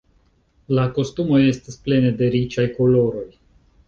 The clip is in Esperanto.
La kostumoj estas plene de riĉaj koloroj.